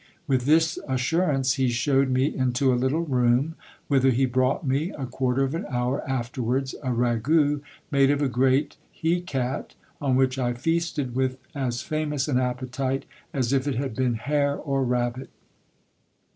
With this assurance, he showed me into a little room, whither he brought me, a quarter of an hour afterwards, a ragout made of a great he cat, on which I feasted with as famous an appetite as if it had been hare or rabbit.